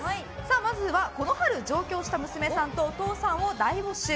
まずはこの春上京した娘さんとお父さんを大募集。